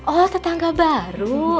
oh tetangga baru